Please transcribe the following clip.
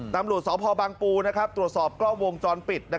ตำรวจสพบังปูตรวจสอบกล้องวงจรปิด